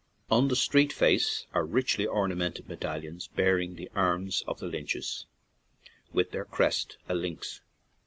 On the street face are richly ornamented medallions bearing the arms of the Lynches, with their crest, a lynx.